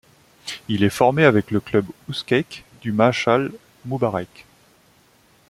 Il est formé avec le club ouzkek du Mash'al Mubarek.